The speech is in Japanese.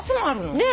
ねえ。